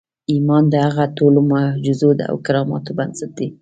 ایمان د هغو ټولو معجزو او کراماتو بنسټ دی